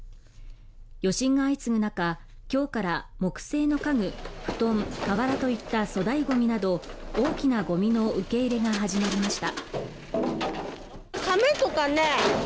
余震が相次ぐ中、今日から木製の家具、布団瓦といった粗大ゴミなど大きなゴミの受け入れが始まりました。